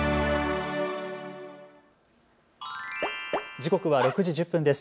時刻は６時１０分です。